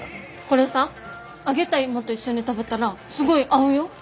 これさ揚げた芋と一緒に食べたらすごい合うよ？